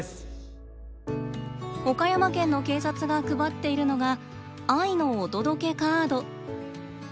岡山県の警察が配っているのが「愛のお届けカード」。